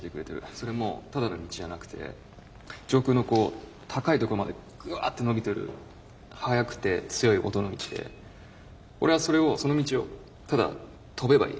それもただの道じゃなくて上空のこう高いところまでグワッて伸びてる速くて強い音の道で俺はそれをその道をただ飛べばいい。